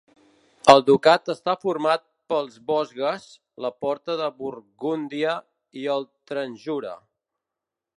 El ducat està format pels Vosges, la porta de Burgúndia i el Transjura.